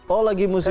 oh lagi musim ujian